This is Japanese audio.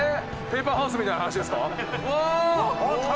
『ペーパー・ハウス』みたいな話ですか？